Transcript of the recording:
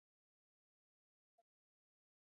بدخشان د افغانستان د هیوادوالو لپاره ویاړ دی.